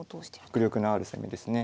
迫力のある攻めですね。